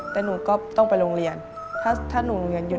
แต่หนูก็ต้องไปโรงเรียนถ้าหนูโรงเรียนอยู่